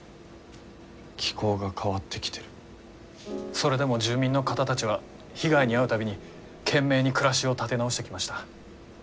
それでも住民の方たちは被害に遭う度に懸命に暮らしを立て直してきました。